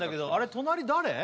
隣誰？